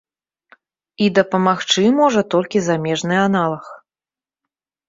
І дапамагчы можа толькі замежны аналаг.